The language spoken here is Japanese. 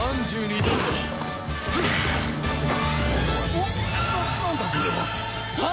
おっ？